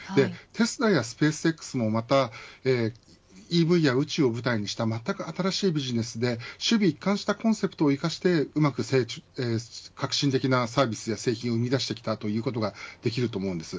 テスラやスペースＸもまた、ＥＶや宇宙を舞台にしたまったく新しいビジネスで首尾一貫したコンセプトを生かしてうまく革新的なサービスや製品を生み出してきたということができると思います。